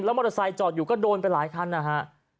มอเตอร์ไซค์จอดอยู่ก็โดนไปหลายคันนะฮะ